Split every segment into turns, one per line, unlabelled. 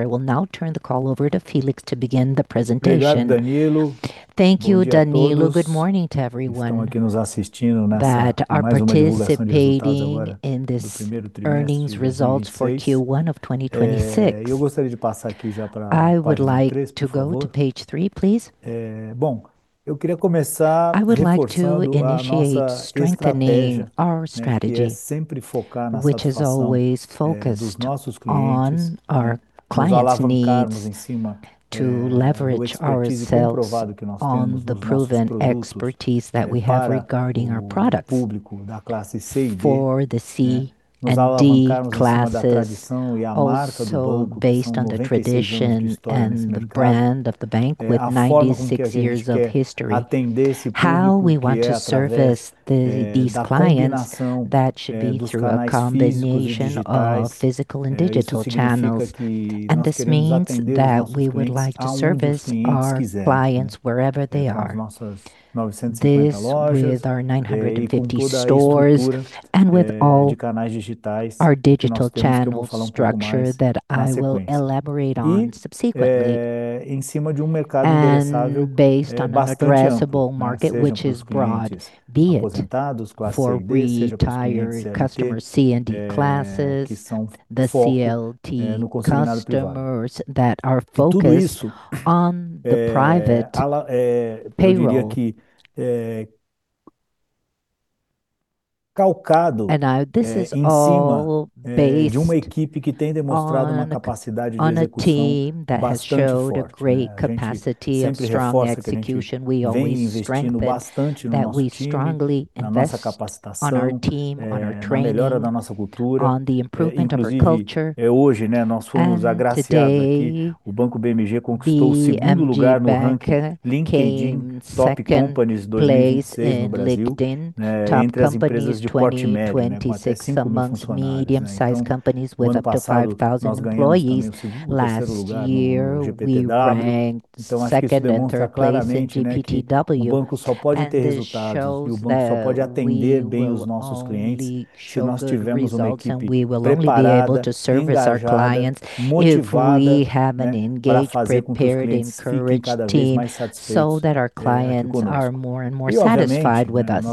I will now turn the call over to Felix to begin the presentation. Thank you, Daniel. Good morning to everyone that are participating in this earnings results for 2026. I would like to go to Page three, please. I would like to initiate strengthening our strategy, which is always focused on our clients' needs to leverage ourselves on the proven expertise that we have regarding our products for the C and D classes. Also based on the tradition and the brand of the bank with ninety six years of history. How we want to service these clients that should be through a combination of physical and digital channels. And this means that we would like to service our clients wherever they are. This with our nine fifty stores and with all our digital channels structure that I will elaborate on subsequently. Based on a addressable market, which is broad, be it for retired customers, C and D classes, the CLT customers that are focused on the private payroll. And now this is all based on a team that has showed a great capacity and strong execution. Always strengthen that we strongly invest we will only be able to service our clients if we have an engaged, prepared, encouraged team so that our clients are more and more satisfied with us.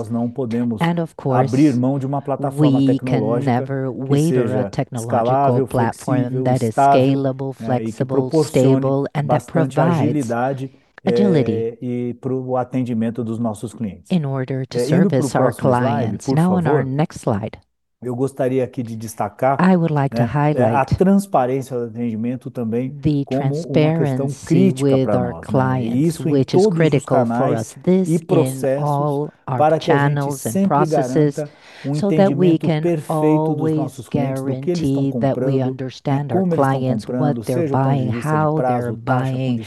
And of course, we can never wave a technological platform that is scalable, flexible, stable and that provides agility In order to service our clients, now on our next slide. I would like to highlight the transparency with our clients, which is critical for us. This in all our channels and processes so that we can always guarantee that we understand our clients what they're buying, how they're buying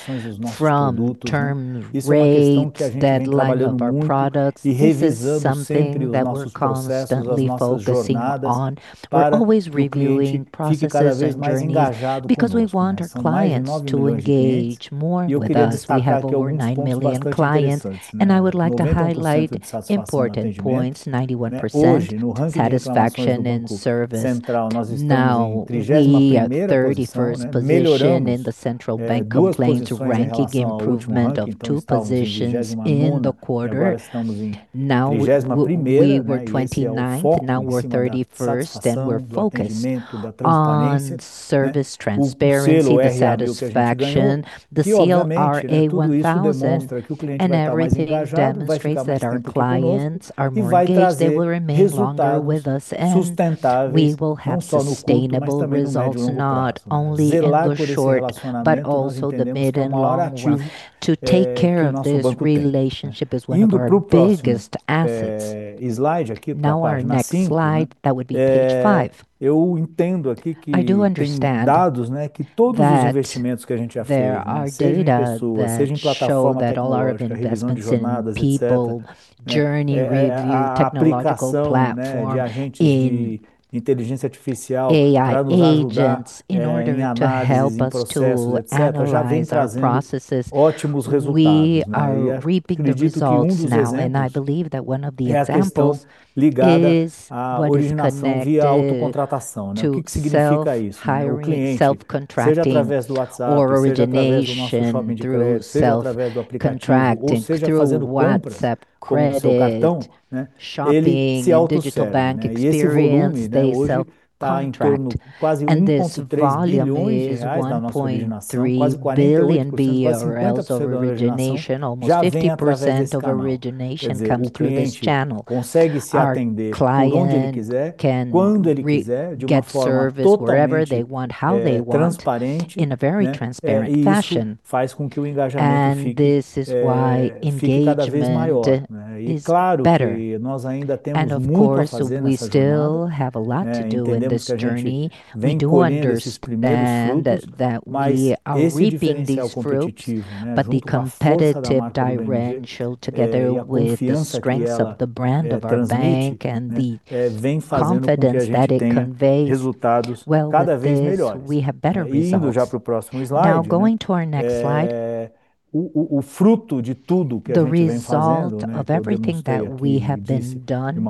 from term rates, deadline of our products, this is something that we're constantly focusing on. We're always reviewing processes and journey because we want our clients to engage more with us. We have over 9,000,000 clients, and I would like to highlight important points, 91% satisfaction in service. Now the thirty first position in the Central Bank complaint ranking improvement of two positions in the quarter. Now we were twenty ninth and now we're thirty first and we're focused on service transparency, satisfaction, the CLR A1000 and everything demonstrates that our clients are engaged, they will remain longer with us. And we will have sustainable results not only in the short, but also the mid and long term to take care of this relationship as one of our biggest assets. Now our next slide, that would be page five. I do understand. Contract. And this volume is BRL1.3 billion of origination, almost 50% of origination comes through this channel. Our client can get service wherever they want, how they want in a very transparent fashion. And this is why engagement is better. And of course, we still have a lot to do in this journey. We do understand that we reaping these fruits, but the competitive direction together with the strengths of the brand of our bank and the confidence that it conveys. Well, have better results. Now, going to our next slide. The result of everything that we have been done,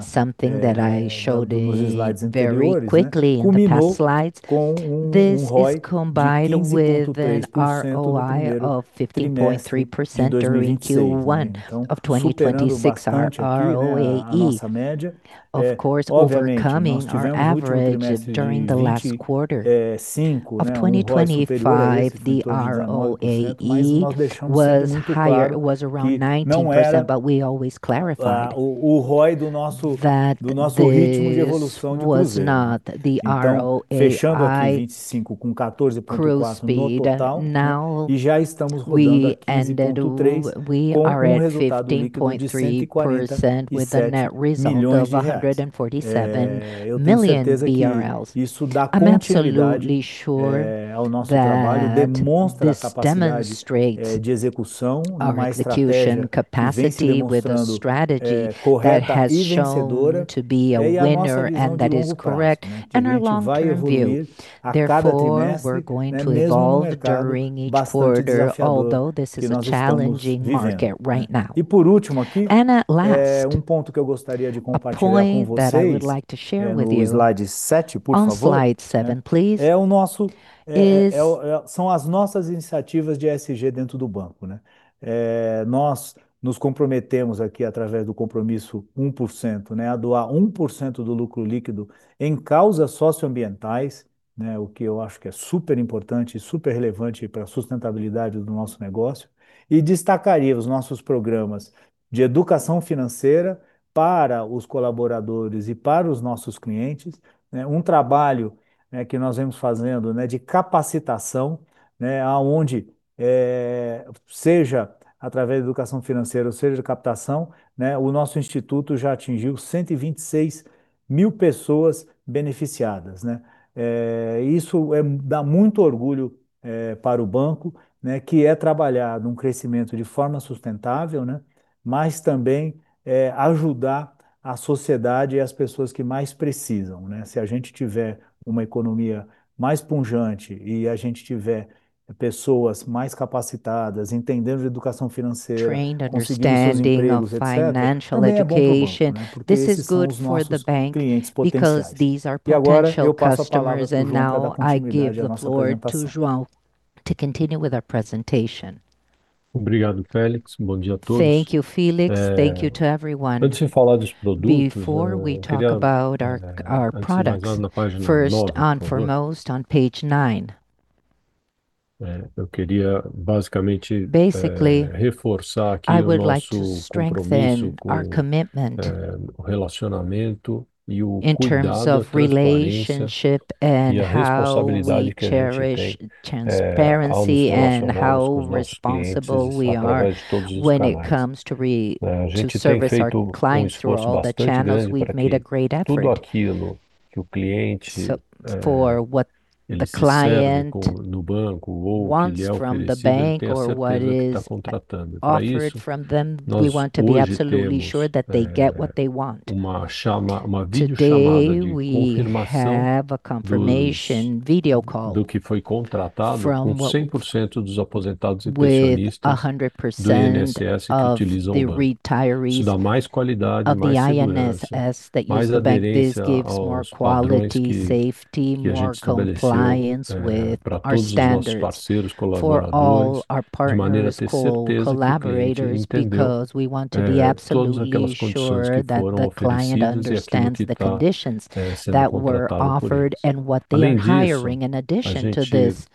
something that I showed very quickly in the past slides. This is combined with an ROI of 50.3% during 2026, our ROAE. Of course, overcoming our average during the last quarter. Of 2025, the ROAE was higher, it was around 19%, but we always clarify That was not the ROE. Gross speed, now we ended up we are at 15.3% with a net result of BRL147 million. I'm absolutely sure that this demonstrates our execution capacity with a strategy that has shown to be a winner and that is correct in our long term view. Therefore, we're going to evolve during each quarter, although this is a challenging market right now. And at last point that I would like to share with you on slide seven, please. Trained understanding of financial education. This is good for the bank because these are potential customers. And now I give the floor to Joao to continue with our presentation. Thank you, Felix. Thank you to everyone. Before we talk about our products, first and foremost on page nine. Dear. Basically, I would like to strengthen our commitment in terms of relationship and how cherish transparency and how responsible we are when it comes to re to service our clients through all the channels. We've made a great effort for what the client wants from the bank or what is offered from them, we want to be absolutely sure that they get what they want. Today, we have a confirmation video call from with a 100% of the retirees of the INSS that use the benefits gives more quality, safe more compliance with our standards for all our partner and sole collaborators because we want to be absolutely sure that the client understands the conditions conditions that were offered and what they're hiring in addition to this.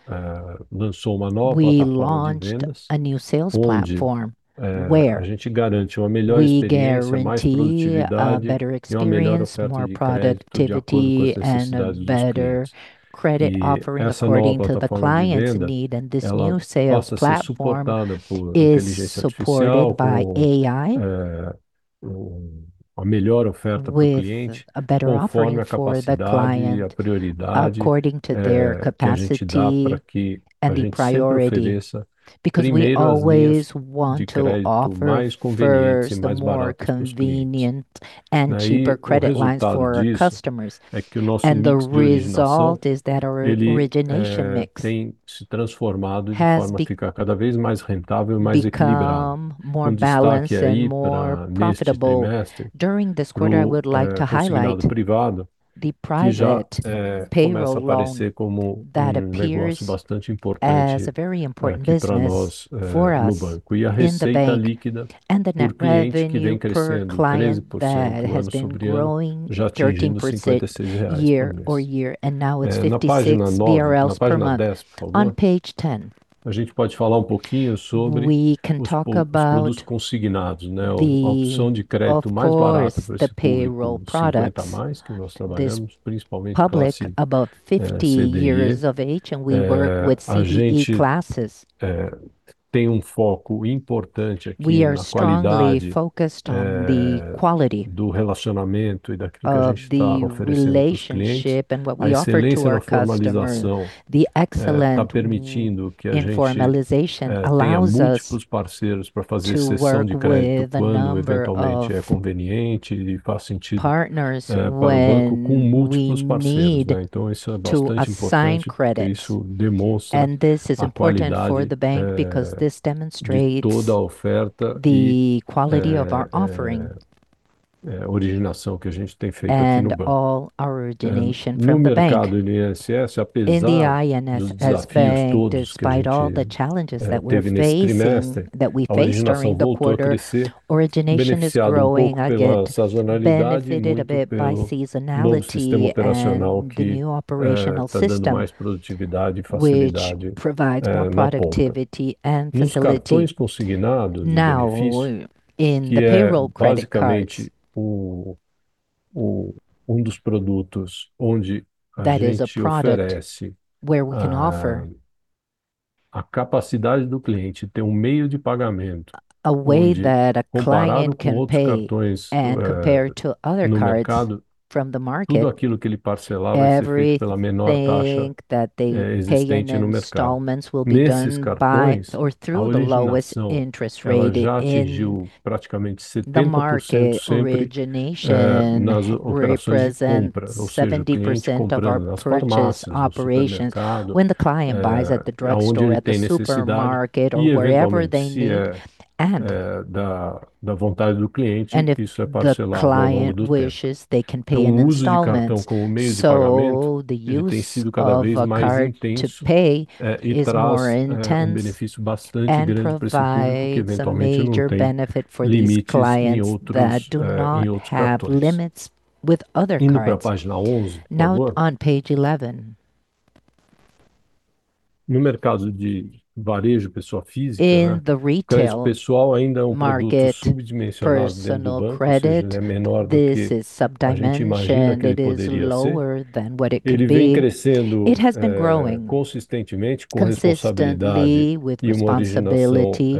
We launched a new sales platform where we guarantee a better experience, more productivity, and a better credit offering according to the clients' need. And this new sales platform is supported by AI with a better offering for the client according to their capacity and the priority because we always want to offer first the more convenient and cheaper credit lines for our customers. And the result is that our origination mix has become more balanced and more profitable. During this quarter, I would like to highlight the private payroll that appears as a very important business for us in the bank And the net revenue per client that has been growing 13% year or year, and now it's 56 BRL per month. On page 10, we can talk about the payroll products. This public about 50 years of age, and we work with CEG classes. We are strongly focused on the quality. The relationship and what we offer to our customers are The excellent informalization allows us partners with we need to sign credits. And this is important for the bank because this demonstrates the quality of our offering. All our origination from the bank. In the INS has faced despite all the challenges that we faced during the quarter, the origination is growing again, benefited a bit by seasonality, the new operational system, which more productivity and facility. Now in the payroll credit cards That is a product where we can offer a way that a client can pay and compare to other cards from the market. Every that they pay installments will be done by or through the lowest interest rating in the market market. Origination represents 70% of our purchase operations. The drugstore, at the supermarket, or wherever they need. And if client wishes, they can pay in installments. So the use card to pay is more intense and proficiently given some major benefit for these clients that do not have limits with other cards. Now on page 11. In the retail market personal credit, this is sub dimension, it is lower than what it could be. It has been growing. Consistency with responsibility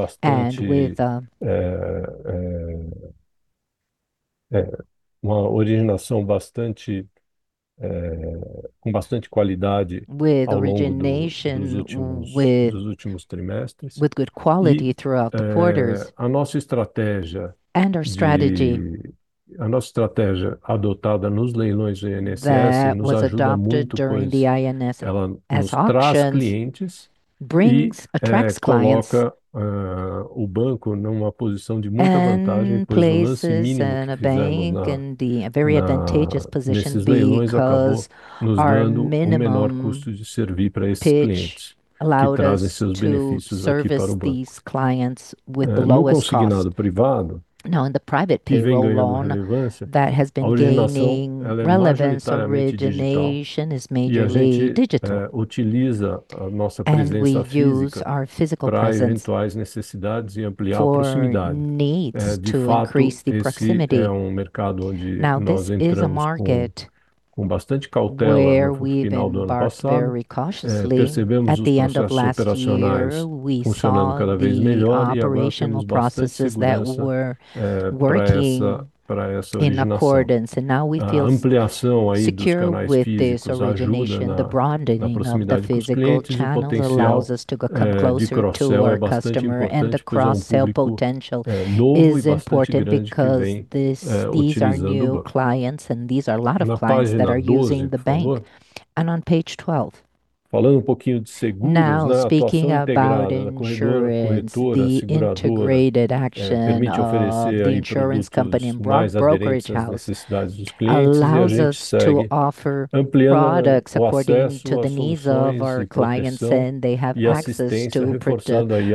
With originations with with good quality throughout the quarters. And our strategy. Was adopted during the INS as auctions brings attracts clients in a bank in the very advantageous position because our minimum wage allowed us to service these clients with the lowest cost. Now in the private people loan that has been gaining relevance origination is majorly digital. We use our physical to come closer to our customer and the cross sell potential is important because these are new clients and these are a lot of clients that are using the bank. And on page 12. Now speaking about insurance, the integrated action of the insurance company and brokerage house allows us to offer products according to the needs of our clients and they have access to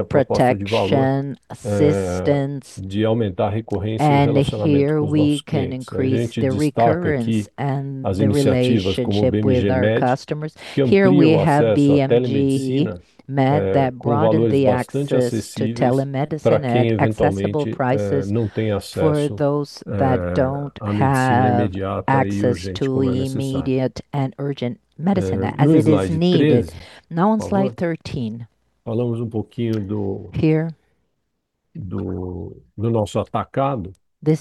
protection, assistance. And here we can increase the recurrence and relationship with our customers. Here we have BMG Med that brought the access to telemedicine at accessible prices for those that don't have access to immediate and urgent medicine as it is needed. Now on Slide 13. Here.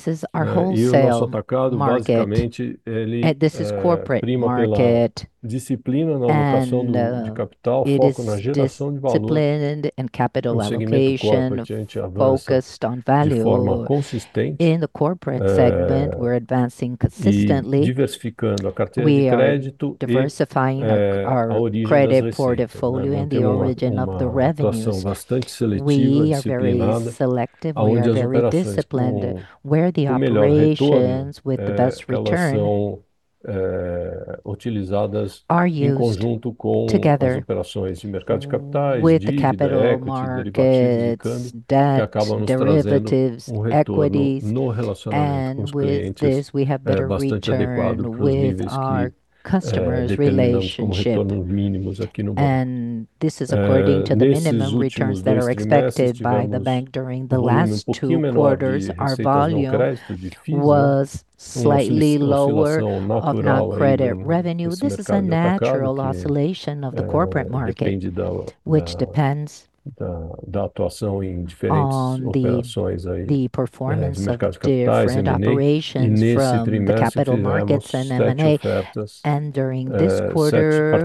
Is our wholesale market. This is corporate market. Disciplined and capital allocation focused on value. In the corporate segment, we're advancing consistently, diversifying our credit portfolio and the origin of the revenues. We are very selective. We are very disciplined. We're the operations with the best return. Together with the capital markets, debt, derivatives, equities and with this we have better return with customers relationship. This is according to the minimum returns that are expected by the bank during the last two quarters. Our volume was slightly lower of our credit revenue. This is a natural oscillation of the corporate market, which depends capital markets and M and And during this quarter,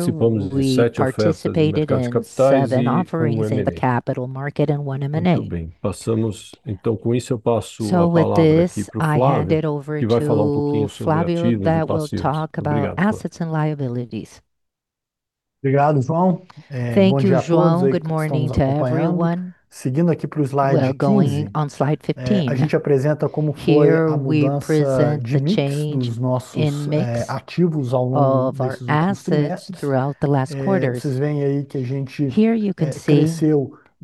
we participated in seven offerings in the capital market and one M and A. So with this, I hand it over to Flavio that will talk about assets and liabilities. Thank you, Joao. Good morning to everyone. We're going on Slide 15. Here,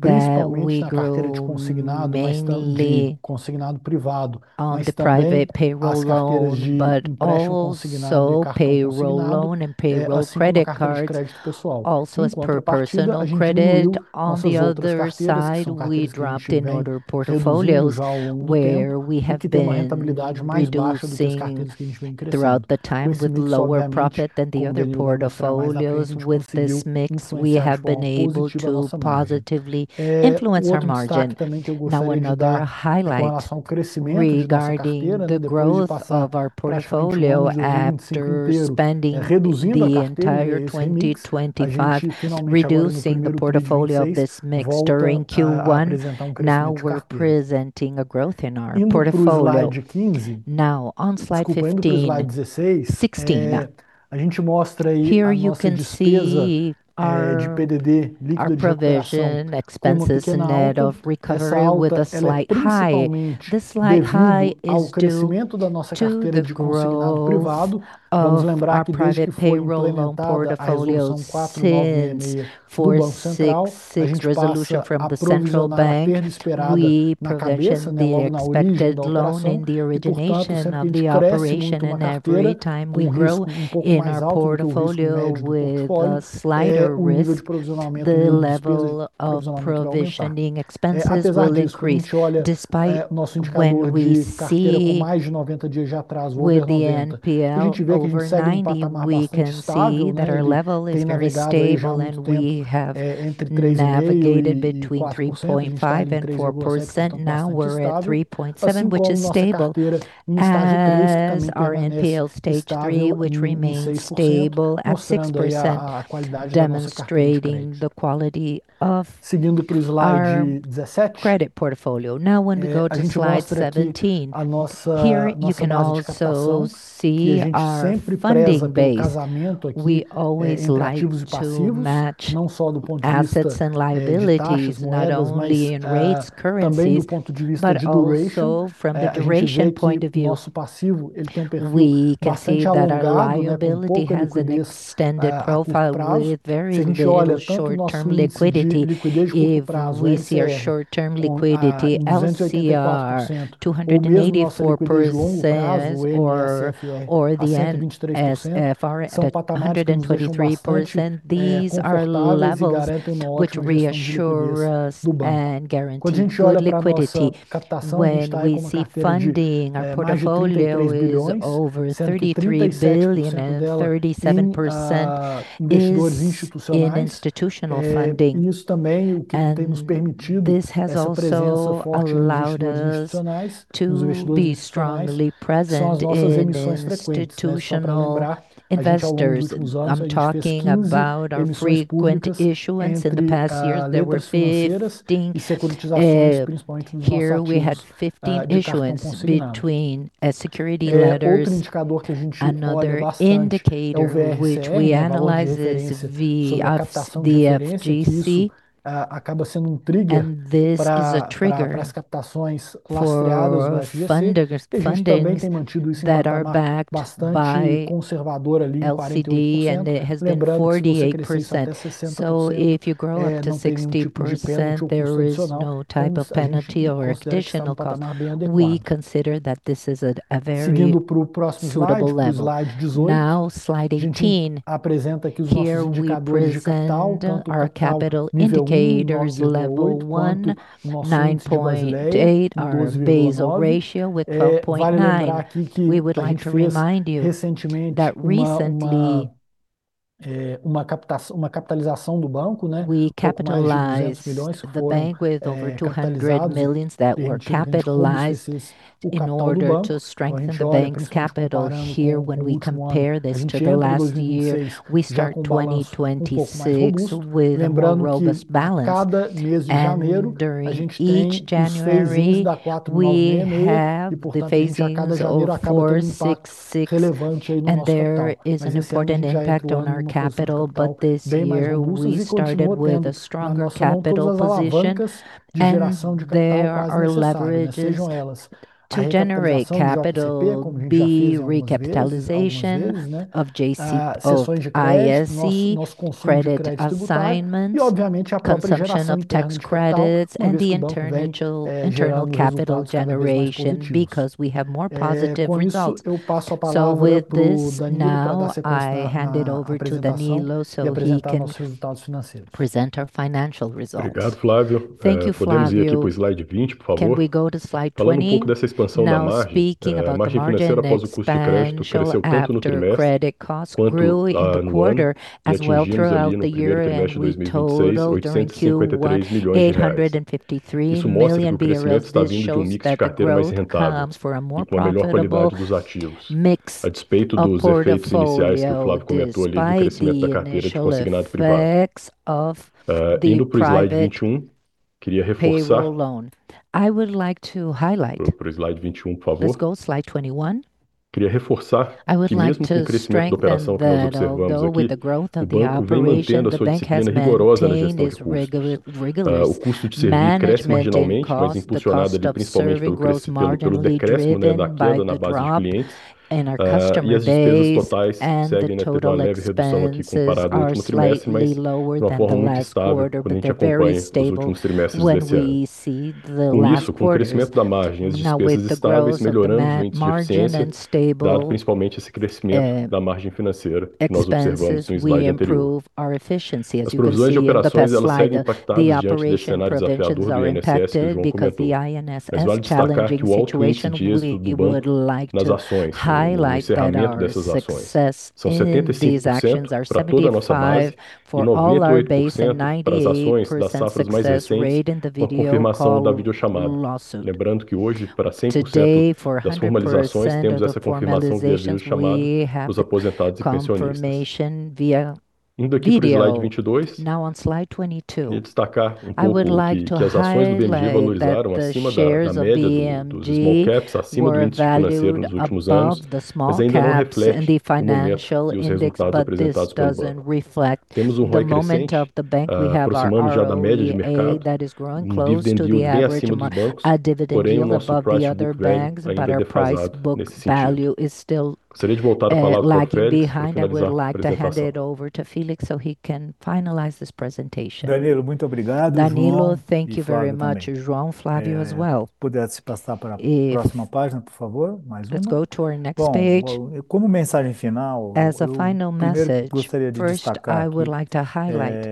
we present the change in mix assets of throughout the last quarter. Here, you can see on the private payroll loan, but also payroll loan and payroll credit cards. Also as per personal credit, on the other side, we dropped in order portfolios where we have been. We do have seen throughout the times with lower profit than the other portfolios. With this mix, we have been able to positively influence our margin. Now another highlight regarding the growth of our portfolio after spending through the entire 2025, reducing the portfolio of this mix during Q1. Now we're presenting a growth in our portfolio. Now on Slide fifteen, sixteen. Here, you can see our provision expenses net of recovering with a slight high. This slight high is due to the growth our private payroll and portfolios since the level of provisioning expenses will increase despite when we see with the NPL over 90, we can see that our level is very stable and we have navigated between 3.54%. Now we're at 3.7%, which is stable. And our NPL Stage three, which remains stable at 6%, demonstrating the quality of our credit portfolio. Now when we go to Slide 17, here you can also see our funding base. We always like to match assets and liabilities, not only in rates, currencies, but also from a duration point of view. Can see that our liability has an extended profile with varying short term liquidity. If we see our short term liquidity, LCR 284% or the NSFR at 123%. These are low levels which reassure us and guarantee good liquidity. When we see funding, our portfolio is over 33,000,000,037 percent is in institutional funding. And this has also allowed us to be strongly present in institutional investors. I'm talking about our frequent issuance in the past year, there were big stinks here. We had 15 issuance between security letters, another indicator which we analyze is the FGC. And this is a trigger for fundings that are backed by LCD and it has been 48%. So if you grow up to 60%, there is no type of penalty or additional cost. We consider that this is a very suitable level. Now Slide 18. Here we present our capital indicators level one, nine point eight our basal ratio with 12.9. We would like to remind you that recently we capitalized the bank with over 200 millions that were capitalized in order to strengthen the bank's capital. Here, when we compare this to the last year, we start 2026 with a robust balance. And during each January, we have the phasing four sixty six, and there is an important impact on our capital. But this year, we started with a stronger capital position. And there are leverages to generate capital, the recapitalization of JCCO, ISC, credit assignments, consumption of tax credits and the internal capital generation because we have more positive results. So with this, now I hand it over to Daniel so that he can present our financial results. Can we go to Slide but our price book value is still And like behind, I would like to hand it over to Felix so he can finalize this presentation. Manuel, thank you very much, Jean Flavio as well. Let's go to our next page. As a final message, first, I would like to highlight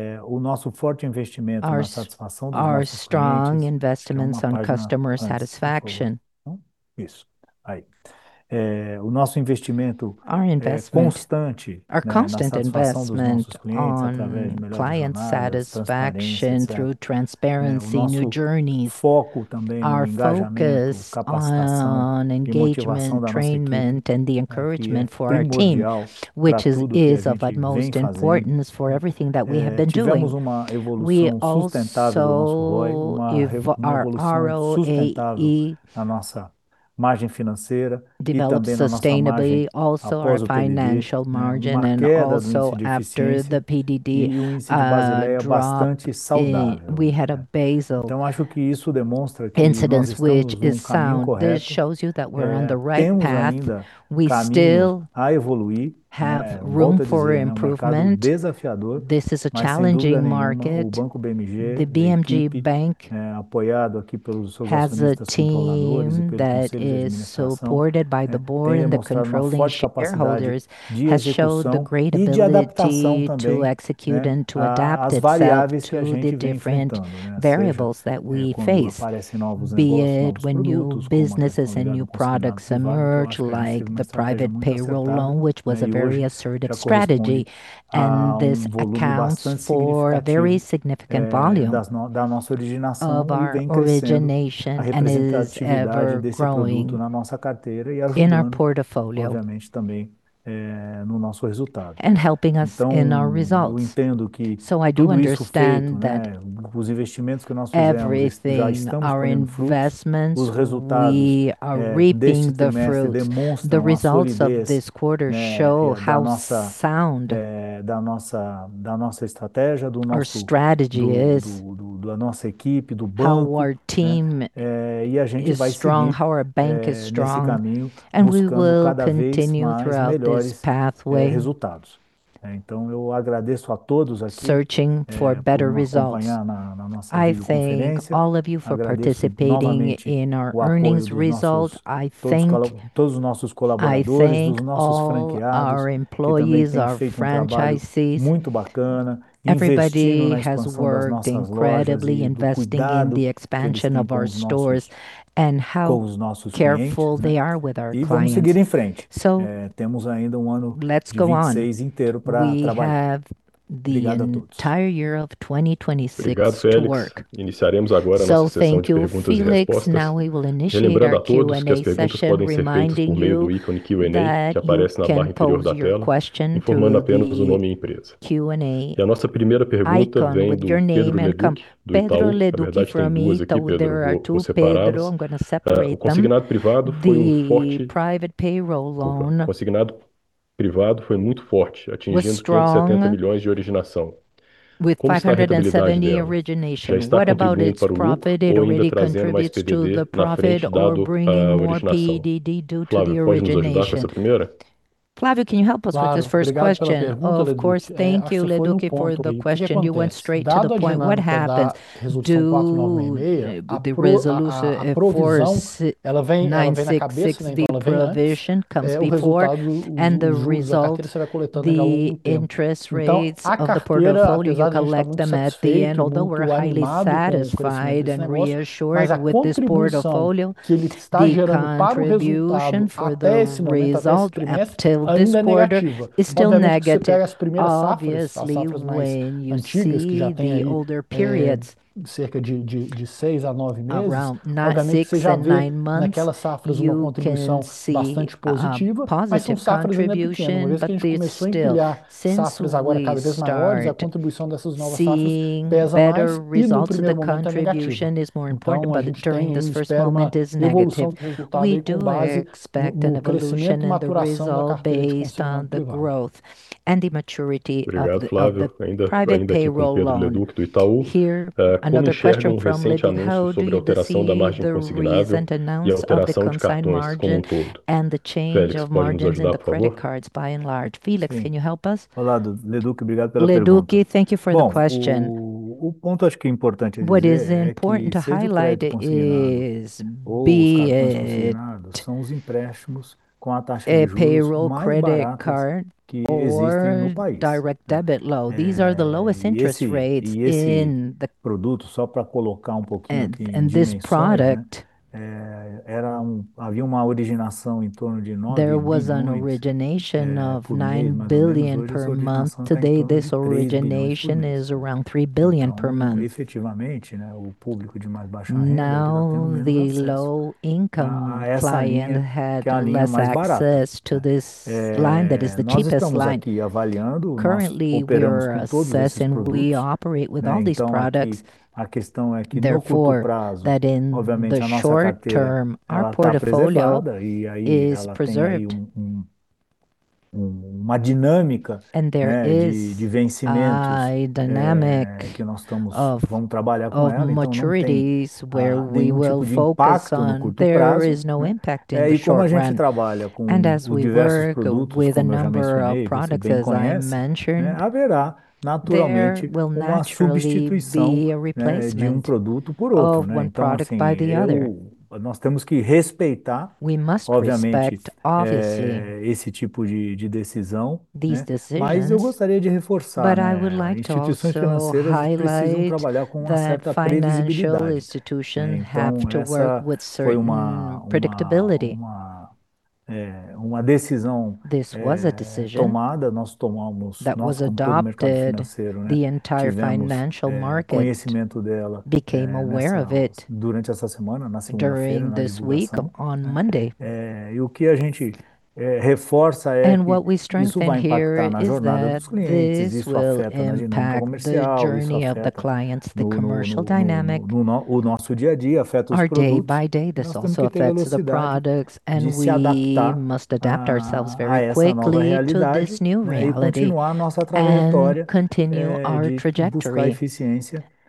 our strong investments on customer satisfaction. Our Our constant investment on client satisfaction through transparency, new journeys, our focus is on engagement, training, and the encouragement for our team, which is is of utmost importance for everything that we have been doing. We also give our ROE, Margin finance sustainably, also our financial margin, and also after the PDD had a basal incidence which is sound. This shows you that we're on the right path. We still have room for improvement. This is a challenging market. The BMG Bank has a team that is supported by the Board and the controlling shareholders has showed the great ability to execute and to adapt itself to the different variables that we face, be it when new businesses and new products emerge like the private payroll loan, which was a very assertive And this accounts for a very significant volume of our origination and is ever growing in our portfolio and helping us in our results. So I do understand that everything, our investments, we are reaping the fruits. The results of this quarter show how sound our strategy is, how our team is strong, how our bank is strong, and we will continue throughout this pathway searching for better results. I thank all of you for participating in our earnings results. I thank you all, our employees, our franchisees, everybody has worked incredibly investing in the expansion of our stores and how careful they are with our in French. So let's go on. We have the entire year of 2026 to work. So thank you, Felix. Now we will initiate profit or bringing more PDD due to the origination. Plavio, can you help us with this first question? Of course, thank you, Leduci for the question. You went straight to the point. What happens to the resolution of course We do expect an evolution in the result based on the growth and the maturity b h payroll credit card or direct debit low. These are the lowest interest rates in the And this product There was an origination of 9,000,000,000 per month. Today, this origination is around 3,000,000,000 per month. Now the low income client had less access to this line that is the cheapest line. Currently, we are assessing we operate with all these products. Therefore, that in the short term, our portfolio is preserved. And there is dynamic of maturities where we will focus on. There is no impact in short run. And as we work with a number of products as I mentioned, naturally a replacement of one product by the other. We must respect, obviously, these decisions. But I would like to also highlight that financial institution have to work with certain predictability. This was a decision that was adopted the entire financial market became aware of it during this week on Monday. And what we strengthen here is that this will impact the journey of the clients, the commercial dynamic are day by day. This also affects the products, and we must adapt ourselves very quickly to this new reality, continue our trajectory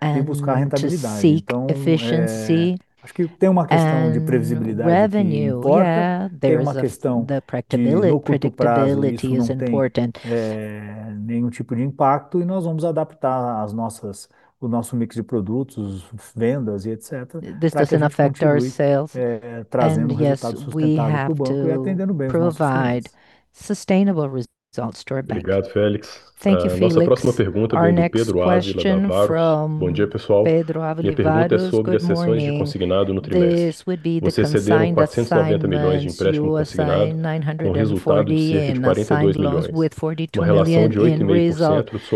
and seek efficiency, Revenue. Yeah. There is a The predictability is important. This doesn't affect our sales? Yes. We have to provide sustainable results to our bank. Thank you, Felix. Next question from assign more sound or products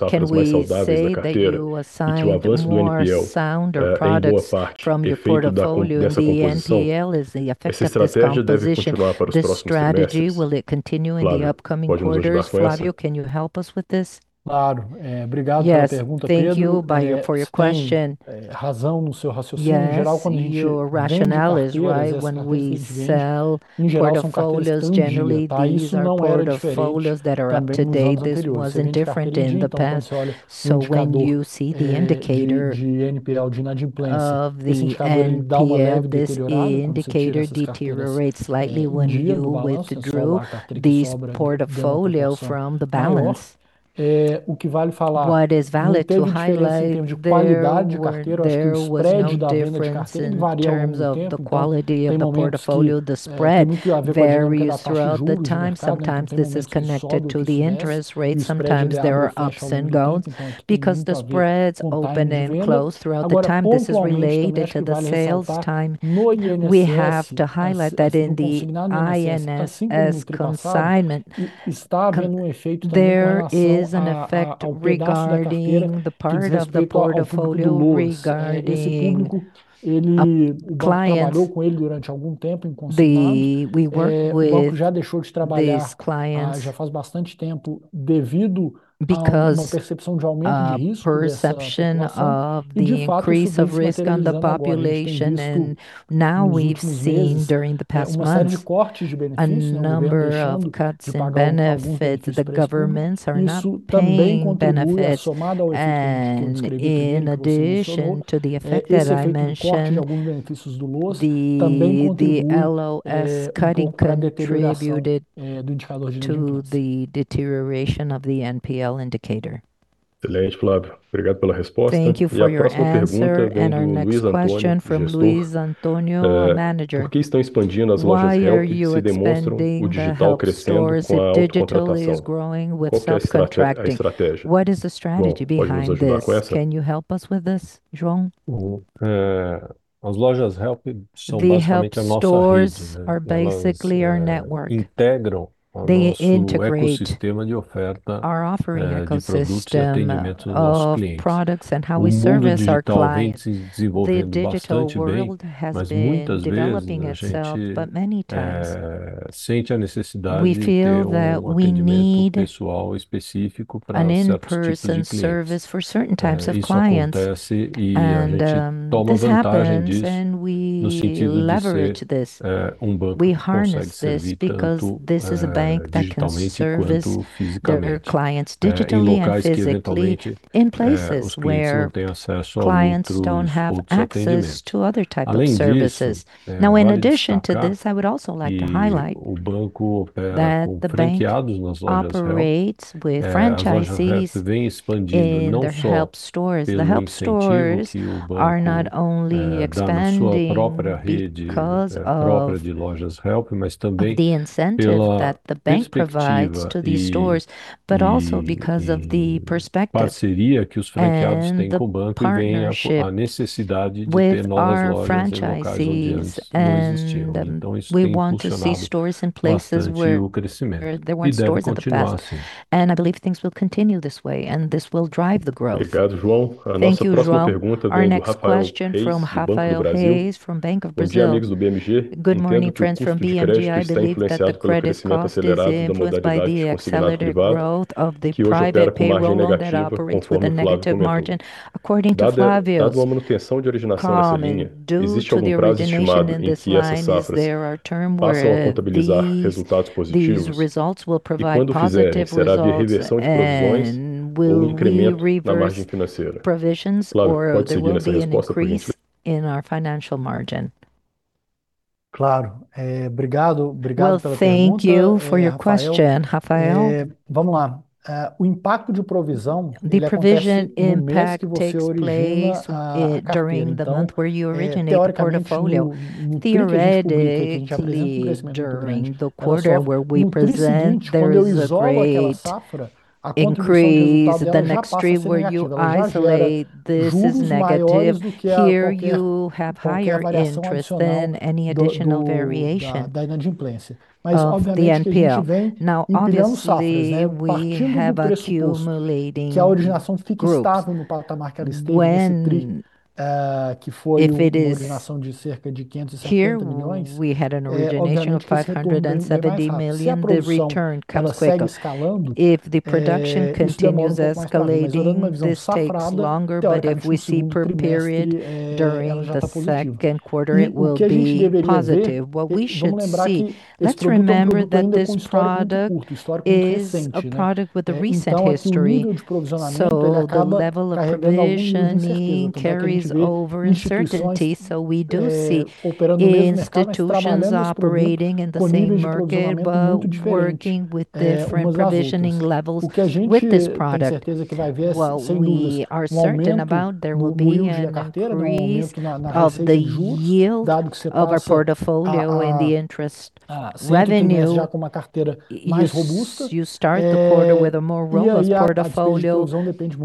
from your portfolio? The NPL is the effective compensation strategy. Will it continue in the upcoming quarters? Flavio, can you help us with this? Thank you, Bahia, for your question. Your rationale is right. When we sell port on folios, generally these are part of portfolios that are up to date. This wasn't different in the past. So when you see the indicator of the NPL, this indicator deteriorates slightly when you withdrew these portfolio from the balance. What is valid to highlight there was no difference in terms of the quality of the portfolio, the spread varies throughout the time. Sometimes this is connected to the interest rates. Sometimes there are ups and downs because the spreads open and close throughout the time. This is related to the sales time. We have to highlight that in the INS as consignment, there is an effect regarding the part of the portfolio, regarding clients. We work with these clients because perception of the increase of risk on the population. And now we've seen during the past months a number of cuts and benefits. The governments are not paying benefits. And in addition to the effect that I mentioned, the LOS cutting contributed to the deterioration of the NPL indicator. Thank you for your answer. And our next question from Luiz Antonio, our manager. Why are you spending more digital is growing with subcontracting? What is the strategy behind this? Can you help us with this, Jean? The help stores are basically our network. They integrate our offering a consistent of products and how we service our clients. The digital world has been developing itself, but many times. We feel that we need an in person service for certain types of clients. Doesn't happen, then we leverage this. We harness this because this is a bank that can service their clients digitally and physically in places where clients don't have access to other type of services. Now in addition to this, I would also like to highlight that the bank operates with franchisees in their help stores. The help stores are not only expanding of the incentive that the bank provides to these stores, but also because of the perspective With our franchisees and we want to see stores in places where there weren't stores in the past. And I believe things will continue this way, and this will drive the growth. Thank you, as well. Our next question from Rafael Hayes from Bank of Brazil. Good morning, friends from BMG. Believe that the credit cost is influenced by the accelerated growth of provide positive results and will be reversed provisions What's for it gonna be an increase in our financial margin? Well, thank you for your question, Rafael. The provision impact takes place during the month where you originate the portfolio. Theoretically, during the quarter where we present, there is a way of increase the next stream where you isolate, this is negative. Here, you have higher interest than any additional variation. The NPL, now obviously, we have accumulating group. If it is, here we had an origination of $70,000,000 the return comes quicker. If the production continues escalating, this takes longer. But if we see per period during the second quarter, it will be positive. What we should see, let's remember that this product is a product with a recent history. So a level of provisioning carries over uncertainty. So we do see institutions operating in the same market, but working with different provisioning levels with this product. Well, are certain about there will be an increase of the yield of our portfolio in the interest revenue. You start the quarter with a more robust portfolio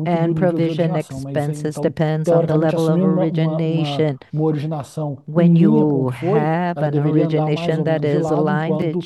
and provision expenses depends on the level of origination. When you have an origination that is aligned